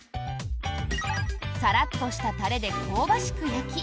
サラッとしたタレで香ばしく焼き